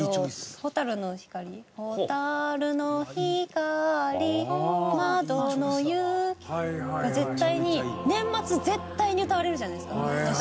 「蛍の光窓の雪」絶対に年末絶対に歌われるじゃないですか。